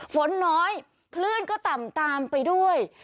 ฝนน้อยคลื่นก็ต่ำตามไปด้วย